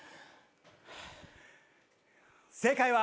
正解は。